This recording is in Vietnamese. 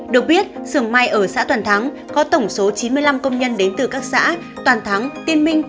được biết sưởng may ở xã toàn thắng có tổng số chín mươi năm công nhân đến từ các xã toàn thắng tiên minh